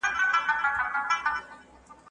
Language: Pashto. همېش اورم کرږي ساندي